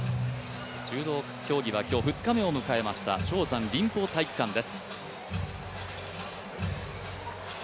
柔道競技は今日２日目を迎えました蕭山臨浦体育館です。